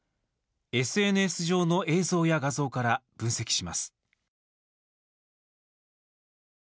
ＳＮＳ上の映像や画像から分析します。